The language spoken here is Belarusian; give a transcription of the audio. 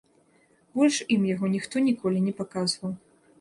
Больш ім яго ніхто ніколі не паказваў.